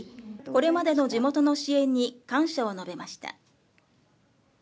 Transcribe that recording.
これまでの地元の支援に感謝を述べました。